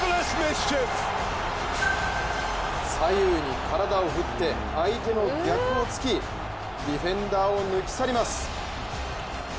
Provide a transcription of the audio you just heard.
左右に体を振って相手の逆をつき、ディフェンダーを抜き去ります。